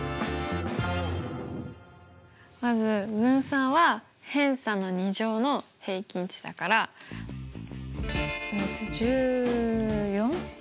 まず分散は偏差の２乗の平均値だから１４？